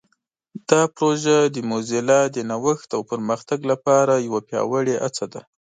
دا پروژه د موزیلا د نوښت او پرمختګ لپاره یوه پیاوړې هڅه ده.